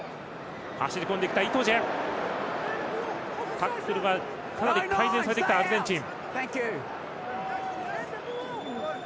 タックルは、かなり改善されてきたアルゼンチン。